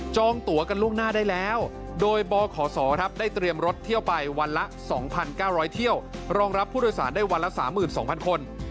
ตัวกันล่วงหน้าได้แล้วโดยบขศได้เตรียมรถเที่ยวไปวันละ๒๙๐๐เที่ยวรองรับผู้โดยสารได้วันละ๓๒๐๐คน